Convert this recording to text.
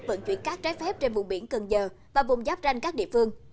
vận chuyển cát trái phép trên vùng biển cần giờ và vùng giáp ranh các địa phương